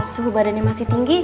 suhu badannya masih tinggi